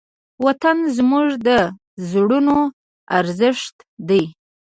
وطن زموږ د زړونو ارزښت دی.